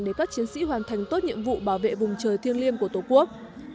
để các chiến sĩ hoàn thành tốt nhiệm vụ bảo vệ vùng trời thiêng liêng của tổ quốc